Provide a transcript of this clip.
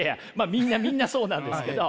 みんなみんなそうなんですけど。